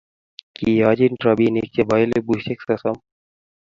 Kiyochin robinik chebo elubushek sosom